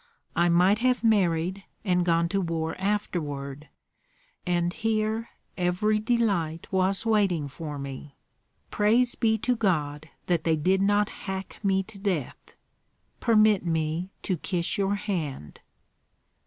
I might have married and gone to war afterward; and here every delight was waiting for me. Praise be to God that they did not hack me to death! Permit me to kiss your hand."